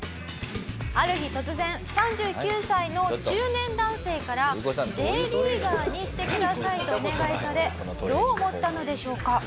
ある日突然３９歳の中年男性から「Ｊリーガーにしてください」とお願いされどう思ったのでしょうか？